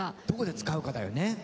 どこで使うかだよね。